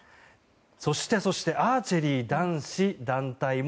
そしてそしてアーチェリー男子団体も